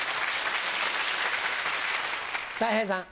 たい平さん。